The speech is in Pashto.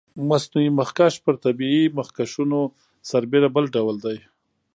مصنوعي مخکش پر طبیعي مخکشونو سربېره بل ډول دی.